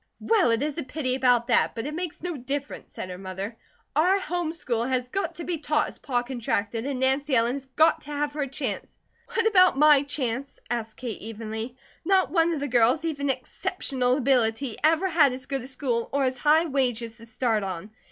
"Well, it is a pity about that; but it makes no difference," said her mother. "Our home school has got to be taught as Pa contracted, and Nancy Ellen has got to have her chance." "What about my chance?" asked Kate evenly. "Not one of the girls, even Exceptional Ability, ever had as good a school or as high wages to start on.